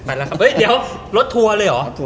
เอ๋ยะรถทัวร์เลยหรอ